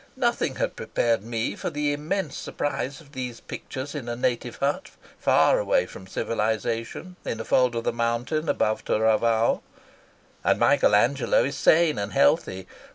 Nothing had prepared me for the immense surprise of these pictures in a native hut, far away from civilisation, in a fold of the mountain above Taravao. And Michael Angelo is sane and healthy.